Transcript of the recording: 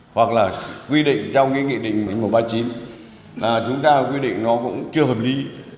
hoặc là quy định trong cái nghị định một nghìn một trăm ba mươi chín là chúng ta quy định nó cũng chưa hợp lý